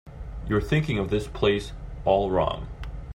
You're thinking of this place all wrong.